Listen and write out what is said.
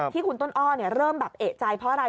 ที่คุณต้นอ้อเริ่มแบบเอกใจเพราะอะไร